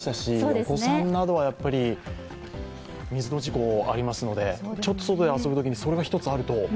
すごい、子供用もありましたしお子さんなどは、やっぱり水の事故ありますので、ちょっと外で遊ぶときにそれが１つあると。